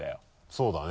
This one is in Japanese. そうだね。